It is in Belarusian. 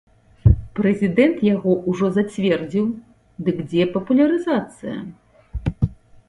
Прэзідэнт яго ўжо зацвердзіў, дык дзе папулярызацыя?